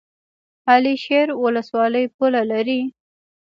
علي شیر ولسوالۍ پوله لري؟